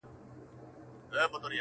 o هم خر له کوره، هم خربه له کوره!